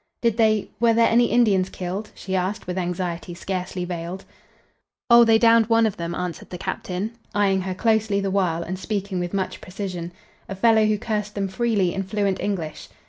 "Did they were there any Indians killed?" she asked, with anxiety scarcely veiled. "Oh, they downed one of them," answered the captain, eying her closely the while and speaking with much precision, "a fellow who cursed them freely in fluent English."